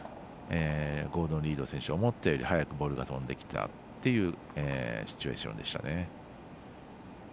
ゴードン・リード選手が思ったよりもボレーが飛んできたというシチュエーションでした。